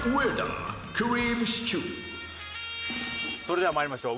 それでは参りましょう。